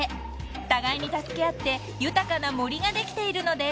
［互いに助け合って豊かな森ができているのです］